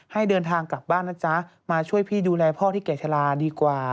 ให้เดินทางกลับบ้านนะจ๊ะมาช่วยพี่ดูแลพ่อที่แก่ชะลาดีกว่า